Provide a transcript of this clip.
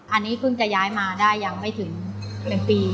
อันนี้เพิ่งจะย้ายมาได้ยังไม่ถึง๑ปี